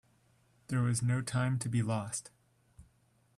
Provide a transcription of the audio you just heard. There was no time to be lost.